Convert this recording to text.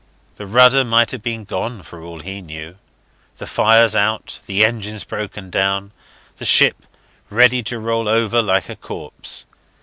The rudder might have been gone for all he knew, the fires out, the engines broken down, the ship ready to roll over like a corpse.